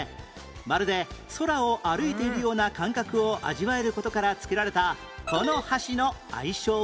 まるで空を歩いているような感覚を味わえる事から付けられたこの橋の愛称は？